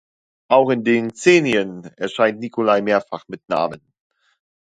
Auch in den Xenien erscheint Nicolai mehrfach mit Namen.